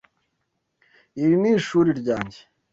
Iri ni ishuri ryanjye.